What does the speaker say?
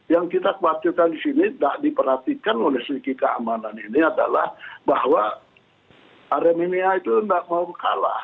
yang kita khawatirkan di sini tidak diperhatikan oleh segi keamanan ini adalah bahwa aremania itu tidak mau kalah